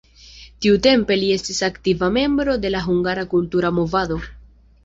Tiutempe li estis aktiva membro de la hungara kultura movado.